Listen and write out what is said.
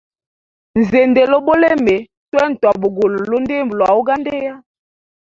Nzindile ubulimi, twene twabugule lundimbwe lwa ugandia.